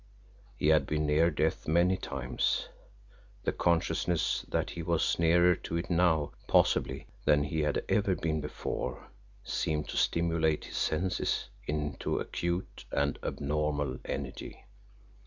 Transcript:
He had been near death many times the consciousness that he was nearer to it now, possibly, than he had ever been before, seemed to stimulate his senses into acute and abnormal energy.